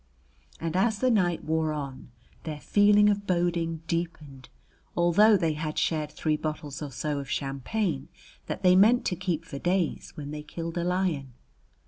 And as the night wore on their feeling of boding deepened, although they had shared three bottles or so of champagne that they meant to keep for days when they killed a lion.